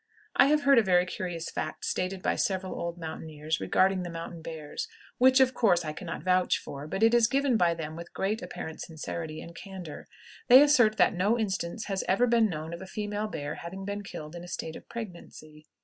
I have heard a very curious fact stated by several old mountaineers regarding the mountain bears, which, of course, I can not vouch for, but it is given by them with great apparent sincerity and candor. They assert that no instance has ever been known of a female bear having been killed in a state of pregnancy.